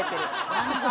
何が？